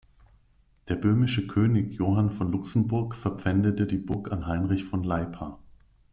Der böhmische König Johann von Luxemburg verpfändete die Burg an Heinrich von Leipa.